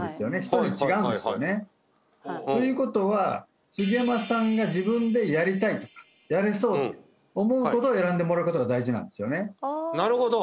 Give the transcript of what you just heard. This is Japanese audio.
人によって違うんですよねということは杉山さんが自分でやりたいとかやれそうと思うことを選んでもらうことが大事なんですよねなるほど！